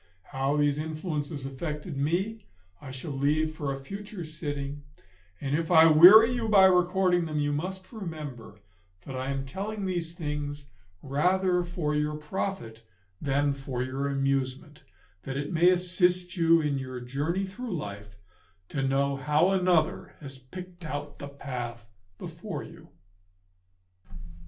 How these influences affected me I shall leave for a future sitting, and if I weary you by recording them, you must remember that I am telling these things rather for your profit than for your amusement; that it may assist you in your journey through life to know how another has picked out the path before you.